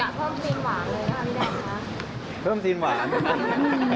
กะเพิ่มซีนหวานเลยนะครับพี่แดดนะ